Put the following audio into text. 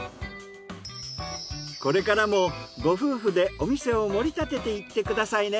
これからもご夫婦でお店を盛り立てていってくださいね。